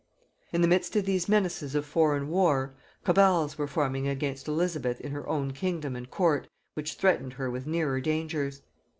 In the midst of these menaces of foreign war, cabals were forming against Elizabeth in her own kingdom and court which threatened her with nearer dangers.